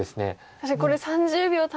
確かにこれ３０秒大変。